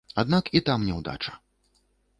Аднак і там няўдача.